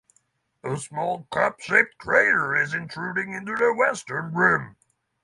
A small, cup-shaped crater is intruding into the western rim.